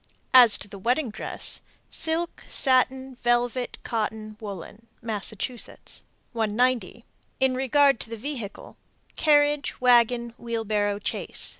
As to the wedding dress: Silk, satin, velvet, cotton, woolen. Massachusetts. 190. In regard to the vehicle: Carriage, wagon, wheelbarrow, chaise.